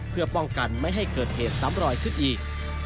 เพื่อป้องกันไม่ให้เกิดเหตุซ้ำรอยขึ้นอีก